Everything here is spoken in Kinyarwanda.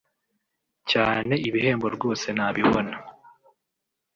Cyane ibihembo rwose nabibona